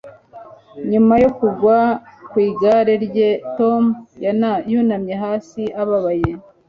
nyuma yo kugwa ku igare rye, tom yunamye hasi ababaye